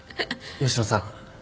吉野さん。